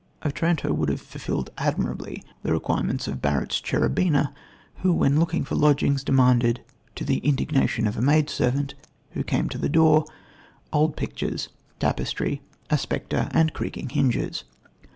Otranto would have fulfilled admirably the requirements of Barrett's Cherubina, who, when looking for lodgings demanded to the indignation of a maidservant, who came to the door old pictures, tapestry, a spectre and creaking hinges.